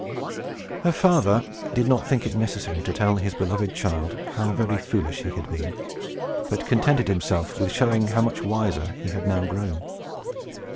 Her father did not think it necessary to tell his beloved child how very foolish he had been, but contented himself with showing how much wiser he had now grown.